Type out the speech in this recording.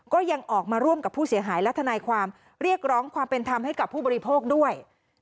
ก็ยังออกมาร่วมกับผู้เสียหายและทนายความเรียกร้องความเป็นธรรมให้กับผู้บริโภคด้วย